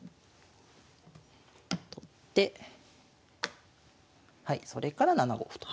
取ってはいそれから７五歩と。